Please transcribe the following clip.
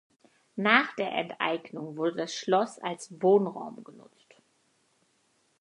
Nach der Enteignung wurde das Schloss als Wohnraum genutzt.